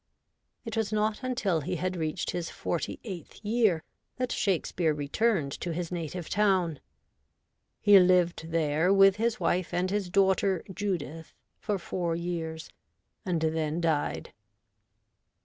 It was not until he had reached his forty eighth year that Shakespeare returned to his native town. He lived there with his wife and his daughter Judith for four years, and then died.